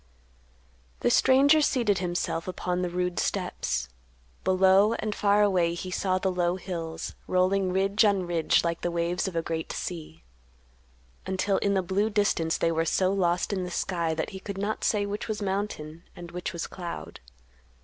The stranger seated himself upon the rude steps. Below and far away he saw the low hills, rolling ridge on ridge like the waves of a great sea, until in the blue distance they were so lost in the sky that he could not say which was mountain and which was cloud.